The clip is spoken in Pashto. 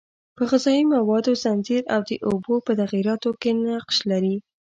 په غذایي موادو ځنځیر او د اوبو په تغییراتو کې نقش لري.